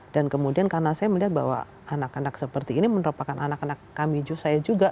dan kemudian karena saya melihat bahwa anak anak seperti ini merupakan anak anak kami juga